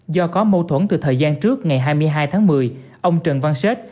do có mâu thuẫn từ thời gian trước ngày hai mươi hai tháng một mươi ông trần văn xết